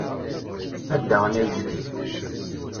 Ad d-aɣen ayefki.